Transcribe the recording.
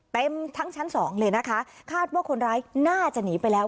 เต็มทั้งชั้นสองเลยนะคะคาดว่าคนร้ายน่าจะหนีไปแล้ว